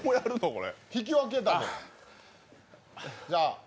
これ。